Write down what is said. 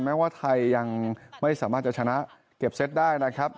แม้ว่าไทยยังไม่สามารถจะชนะเก็บเซตได้นะครับ